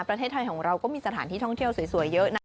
ประเทศไทยของเราก็มีสถานที่ท่องเที่ยวสวยเยอะนะ